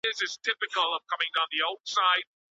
لومړی شرط: طلاق ورکوونکی به په صحيحه نکاح سره خاوند وي.